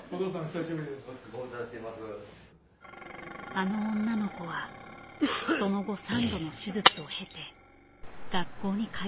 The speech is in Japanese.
あの女の子はその後３度の手術を経て学校に通えるまでに回復した。